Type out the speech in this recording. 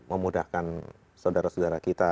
memudahkan saudara saudara kita